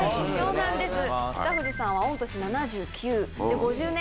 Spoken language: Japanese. そうなんです。